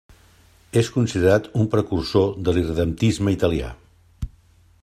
És considerat un precursor de l'irredemptisme italià.